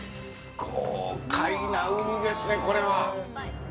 豪快なウニですね、これは。